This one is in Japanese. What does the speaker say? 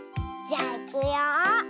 じゃあいくよ。